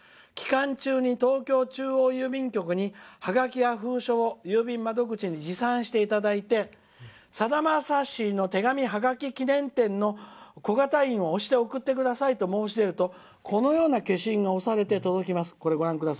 期間中に東京中央郵便局にハガキや封書を郵便窓口に持参していただいて小型印を押して送ってくださいと申し出ると、このような消印が押されて届きます」。